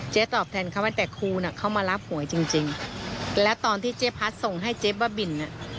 ตอบแทนเขาตั้งแต่ครูน่ะเขามารับหวยจริงจริงแล้วตอนที่เจ๊พัดส่งให้เจ๊บ้าบินอ่ะ